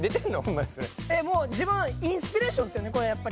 もうインスピレーションですよねこれやっぱり。